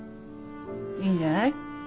いいんじゃない？